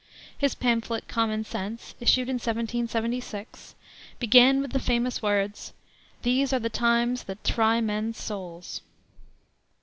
His pamphlet, Common Sense, issued in 1776, began with the famous words: "These are the times that try men's souls."